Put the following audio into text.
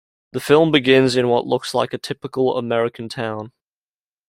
The film begins in what looks like a typical American town.